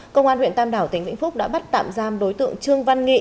công an huyện tam đảo tỉnh vĩnh phúc đã bắt tạm giam đối tượng trương văn nghị